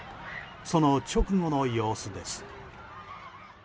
その直後の様子です。